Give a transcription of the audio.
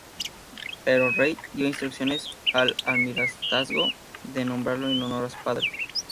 Pero el rey, dio instrucciones al Almirantazgo de nombrarlo en honor a su padre.